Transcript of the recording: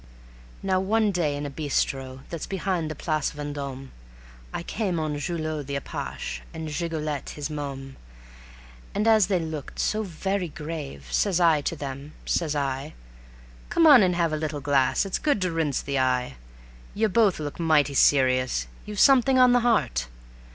Now one day in a bistro that's behind the Place Vendôme I came on Julot the apache, and Gigolette his môme. And as they looked so very grave, says I to them, says I, "Come on and have a little glass, it's good to rinse the eye. You both look mighty serious; you've something on the heart."